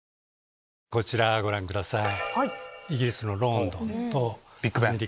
こちらをご覧ください。